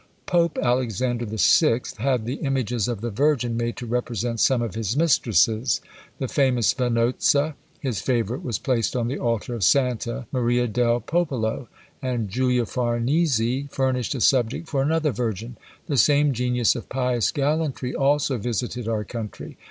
Pope Alexander VI. had the images of the Virgin made to represent some of his mistresses; the famous Vanozza, his favourite, was placed on the altar of Santa, Maria del Popolo; and Julia Farnese furnished a subject for another Virgin. The same genius of pious gallantry also visited our country.